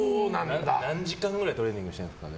何時間くらいトレーニングしてるんですか？